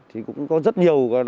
thì cũng có rất nhiều tổ chức đánh bạc